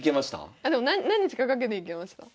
あでも何日かかけていけました。